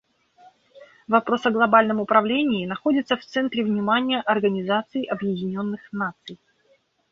Вопрос о глобальном управлении находится в центре внимания Организации Объединенных Наций.